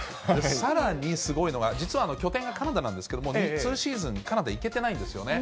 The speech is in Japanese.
さらにすごいのが、実は拠点がカナダなんですけれども、２シーズン、カナダ行けてないんですよね。